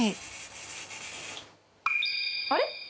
あれ？